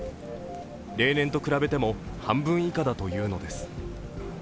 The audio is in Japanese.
例年と比べても半分以下だというのです。